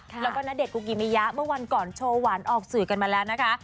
แล้วก็ณเดชนคุกิมิยะเมื่อวันก่อนโชว์หวานออกสื่อกันมาแล้วนะคะ